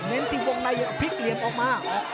เน้นที่วงในพลิกเหลี่ยมออกมา